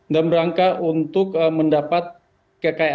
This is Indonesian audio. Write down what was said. dan berangka untuk mendapatkan kemampuan untuk mencari kemampuan